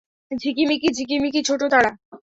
ঝিকিমিকি ঝিকিমিকি ছোট তারা।